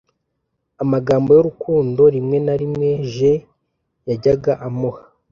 amagambo y urukundo Rimwe na rimwe Je yajyaga amuha